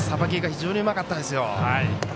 非常にうまかったですよ。